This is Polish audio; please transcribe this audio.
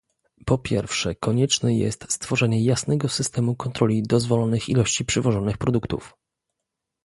Po pierwsze konieczne jest stworzenie jasnego systemu kontroli dozwolonych ilości przywożonych produktów